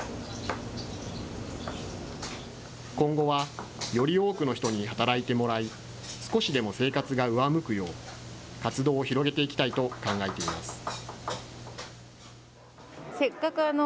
今後は、より多くの人に働いてもらい、少しでも生活が上向くよう、活動を広げていきたいと考えています。